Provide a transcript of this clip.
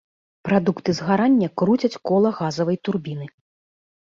Прадукты згарання круцяць кола газавай турбіны.